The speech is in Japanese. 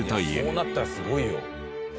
そうなったらすごいよ。